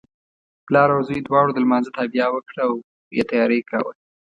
پلار او زوی دواړو د لمانځه تابیا وکړه او یې تیاری کاوه.